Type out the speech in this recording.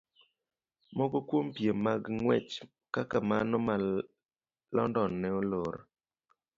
Moko kuom piem mag ng'wech kaka mano ma London ne olor.